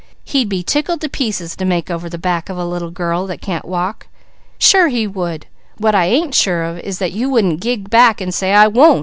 He'd be tickled to pieces to make over the back of a little girl that can't walk. Sure he would! What I ain't sure of is that you wouldn't gig back and say, 'I won't!'